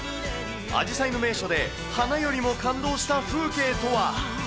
アジサイの名所で、花よりも感動した風景とは。